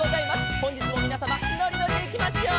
「ほんじつもみなさまのりのりでいきましょう」